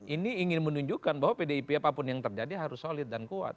ini ingin menunjukkan bahwa pdip apapun yang terjadi harus solid dan kuat